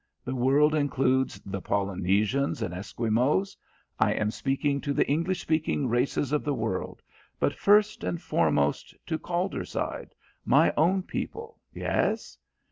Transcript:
The world includes the Polynesians and Esquimaux I am speaking to the English speaking races of the world, but first and foremost to Calderside. My own people. Yes?